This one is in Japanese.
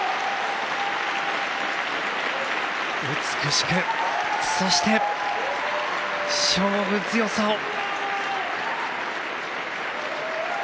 美しく、そして勝負強さを。